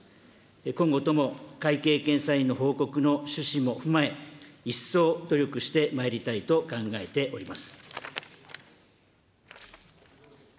今後とも会計検査院の報告の趣旨も踏まえ、一層努力してまいりたいと考えております。